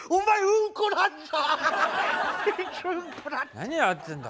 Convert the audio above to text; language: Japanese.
何やってんだ？